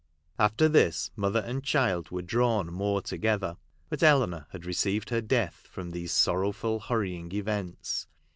After this, mother and child were drawn more together. But Eleanor had received her death from these sorrowful, hurrying events.